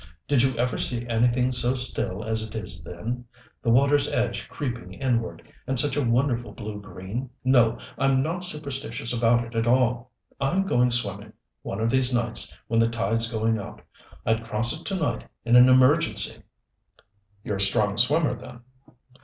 Did you ever see anything so still as it is then the water's edge creeping inward, and such a wonderful blue green? No, I'm not superstitious about it at all. I'm going swimming, one of these nights, when the tide's going out. I'd cross it to night in an emergency." "You're a strong swimmer, then."